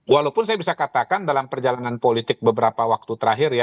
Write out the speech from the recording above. walaupun saya bisa katakan dalam perjalanan politik beberapa waktu terakhir ya